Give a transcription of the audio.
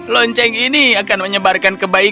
lonceng ini akan menyebarkan kebaikan